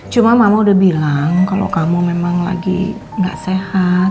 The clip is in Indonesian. cuma mama udah bilang kalau kamu memang lagi gak sehat